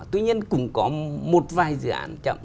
tuy nhiên cũng có một vài dự án chậm